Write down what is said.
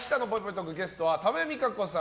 トークゲストは多部未華子さん